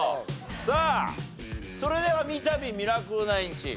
さあそれでは三度ミラクル９チーム。